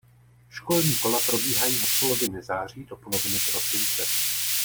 Školní kola probíhají od poloviny září do poloviny prosince.